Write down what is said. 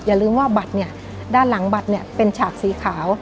อย่าลืมว่าบัตรด้านหลังบัตรเป็นฉากสีขาว